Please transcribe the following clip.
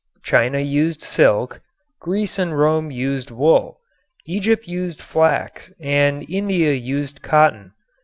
China used silk, Greece and Rome used wool, Egypt used flax and India used cotton.